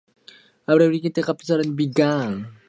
Simpson refused to do these added things and friction began.